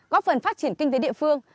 góp phần phát triển kinh tế địa phương